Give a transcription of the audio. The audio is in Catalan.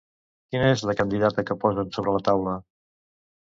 Quina és la candidata que posen sobre la taula?